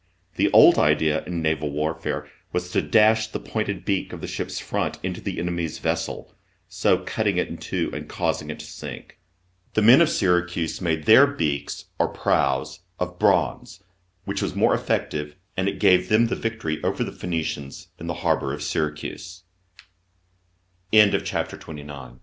The old idea in naval warfare was to dash the pointed beak of the ship's front into the enemy's vessel, so cutting it in two and causing it to sink. The men of Syracuse made their beaks, or prows, of bronze, which was more effective, and it gave them the victory over the Phoenicians in